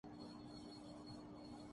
صنعتی ترقی سے بے روزگاری ختم ہوتی ہے